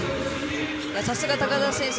さすが高田選手。